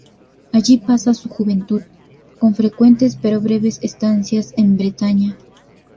Allí pasa su juventud, con frecuentes pero breves estancias en Bretaña.